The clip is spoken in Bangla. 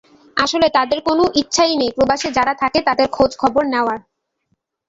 আসলে তাদের কোনো ইচ্ছাই নেই প্রবাসে যারা থাকে তাদের খোঁজ খবর নেওয়ার।